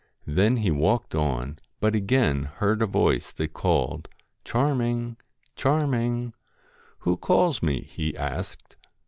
Then he walked on, but again heard a voice that called : 'Charming! Charming!' 1 Who calls me ?' he asked.